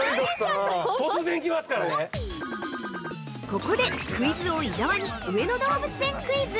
◆ここで、クイズ王・伊沢に上野動物園クイズ！